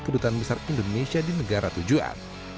kedutaan besar indonesia di negara tujuan